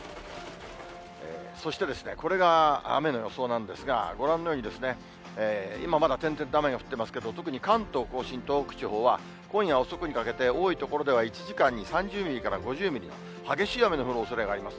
そして、これが雨の予想なんですが、ご覧のように、今まだ点々と雨が降ってますけど、特に関東甲信、東北地方は、今夜遅くにかけて多い所では１時間に３０ミリから５０ミリの激しい雨の降るおそれがあります。